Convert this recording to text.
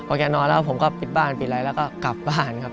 แกนอนแล้วผมก็ปิดบ้านปิดอะไรแล้วก็กลับบ้านครับ